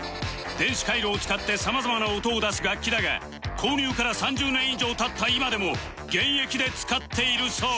電子回路を使って様々な音を出す楽器だが購入から３０年以上経った今でも現役で使っているそう